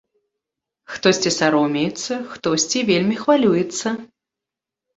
Хтосьці саромеецца, хтосьці вельмі хвалюецца.